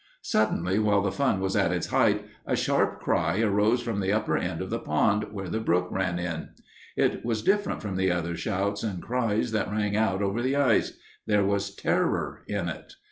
Suddenly, while the fun was at its height, a sharp cry arose from the upper end of the pond where the brook ran in. It was different from the other shouts and cries that rang out over the ice; there was terror in it.